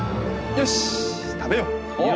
よし食べよう。